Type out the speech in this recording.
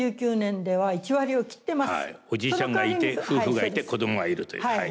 おじいちゃんがいて夫婦がいて子どもがいるという。